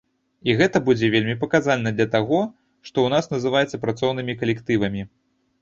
І гэта будзе вельмі паказальна для таго, што ў нас называецца працоўнымі калектывамі.